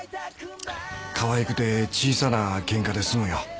かわいくて小さなケンカで済むよ。